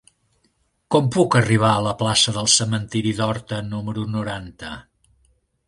Com puc arribar a la plaça del Cementiri d'Horta número noranta?